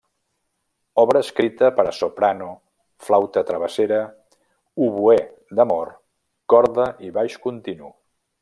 Obra escrita per a soprano, flauta travessera, oboè d’amor, corda i baix continu.